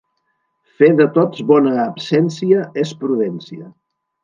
Fer de tots bona absència és prudència.